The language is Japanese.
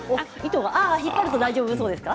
引っ張ったら大丈夫そうですか。